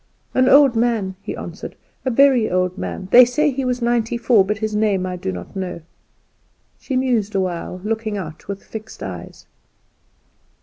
"An old man," he answered, "a very old man; they say he was ninety four; but his name I do not know." She mused a while, looking out with fixed eyes.